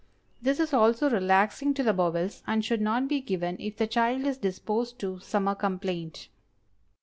This is also relaxing to the bowels, and should not be given if the child is disposed to summer complaint.